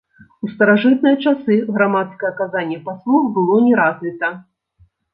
У старажытныя часы грамадскае аказанне паслуг было не развіта.